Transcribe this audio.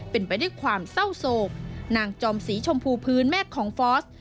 เป็นไปด้วยความเศร้าโศกนางจอมสีชมพูพื้นแม่ของฟอส